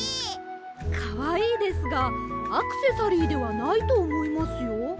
かわいいですがアクセサリーではないとおもいますよ。